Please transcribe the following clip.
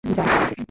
যা গুজব।